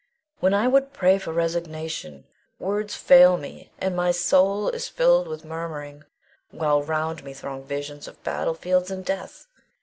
When I would pray for resignation, words fail me, and my soul is filled with murmuring, while round me throng visions of battle fields and death.